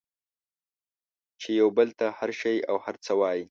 چې یو بل ته هر شی او هر څه وایئ